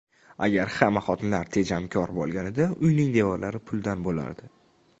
• Agar hamma xotinlar tejamkor bo‘lganida uyning devorlari puldan bo‘lardi.